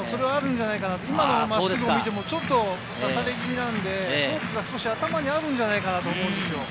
今の真っすぐを見てもちょっと差され気味なので、フォークが少し頭にあるんじゃないかと思いますね。